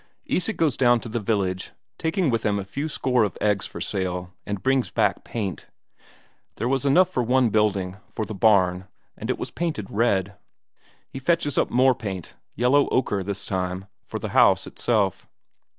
Isak goes down to the village, taking with him a few score of eggs for sale, and brings back paint. There was enough for one building, for the barn, and it was painted red. He fetches up more paint, yellow ochre this time, for the house itself.